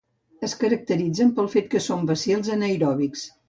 Es caracteritzen pel fet que són bacils anaeròbics.